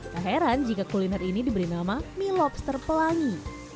tak heran jika kuliner ini diberi nama mie lobster pelangi